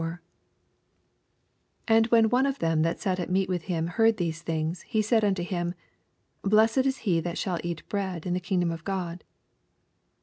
15 And when one of thorn that sat 0 meat with biin heard these things, he said unto him, Blessed is he that Bball eat bread in the kingdom of God.